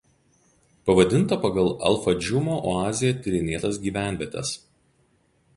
Pavadinta pagal al Fajumo oazėje tyrinėtas gyvenvietes.